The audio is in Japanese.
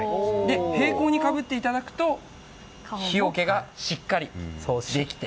平行にかぶっていただくと日よけがしっかりできて。